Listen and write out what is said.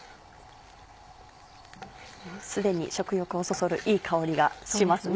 すでに食欲をそそるいい香りがしますね。